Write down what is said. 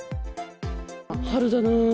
春だなー。